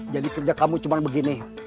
jadi kerja kamu cuma begini